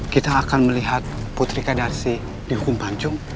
kita akan melihat putri kadarsi dihukum pancung